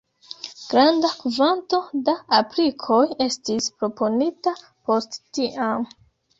Granda kvanto da aplikoj estis proponita post tiam.